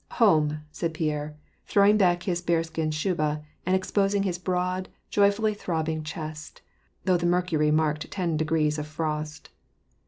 " Home," said Pierre, throwing back his bearskin shuba, and exposing his broad, joyfully throbbing chest, though the mer cury marked ten degrees of frost.